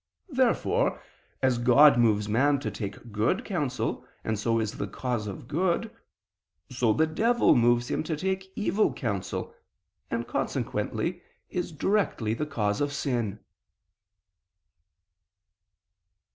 Therefore, as God moves man to take good counsel, and so is the cause of good, so the devil moves him to take evil counsel, and consequently is directly the cause of sin.